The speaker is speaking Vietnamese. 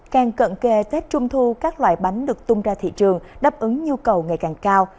càng cận kề tết trung thu các loại bánh được tung ra thị trường đáp ứng nhu cầu ngày càng cao